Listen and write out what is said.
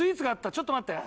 ちょっと待って。